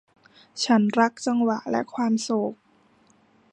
ฉันรักจังหวะและความโศก